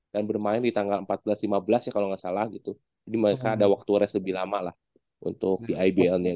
dan bermain di tanggal empat belas lima belas kalau nggak salah gitu dimana ada waktu resmi lama lah untuk di iblnya